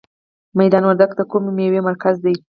میدان وردګ د کومې میوې مرکز دی؟